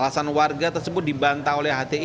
alasan warga tersebut dibantah oleh hti hti dan hti